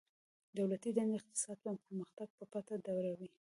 دولتي دندي د اقتصاد پرمختګ په ټپه دروي